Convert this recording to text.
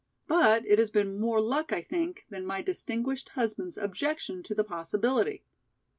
But it has been more luck I think than my distinguished husband's objection to the possibility.